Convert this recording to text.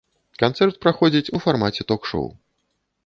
Канцэрт праходзіць у фармаце ток-шоў.